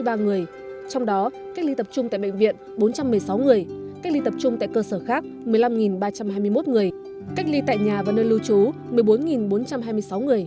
trong đó cách ly tập trung tại bệnh viện bốn trăm một mươi sáu người cách ly tập trung tại cơ sở khác một mươi năm ba trăm hai mươi một người cách ly tại nhà và nơi lưu trú một mươi bốn bốn trăm hai mươi sáu người